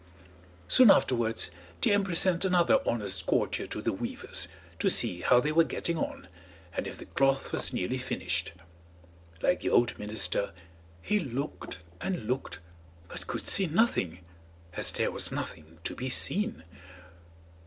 Soon afterwards the emperor sent another honest courtier to the weavers to see how they were getting on, and if the cloth was nearly finished. Like the old minister, he looked and looked but could see nothing, as there was nothing to be seen.